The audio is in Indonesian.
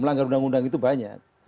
melanggar undang undang itu banyak